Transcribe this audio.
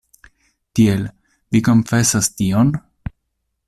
Tiel, vi konfesas tion?